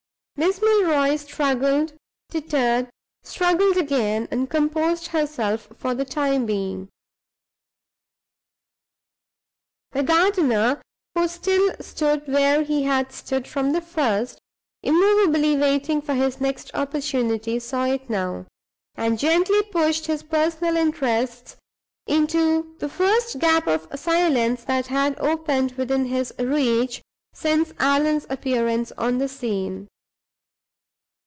Miss Milroy struggled, tittered, struggled again, and composed herself for the time being. The gardener, who still stood where he had stood from the first, immovably waiting for his next opportunity, saw it now, and gently pushed his personal interests into the first gap of silence that had opened within his reach since Allan's appearance on the scene.